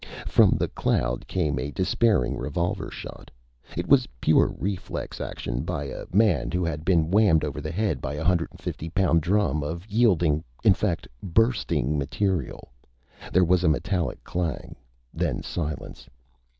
From the cloud came a despairing revolver shot. It was pure reflex action by a man who had been whammed over the head by a hundred and fifty pound drum of yielding in fact bursting material. There was a metallic clang. Then silence.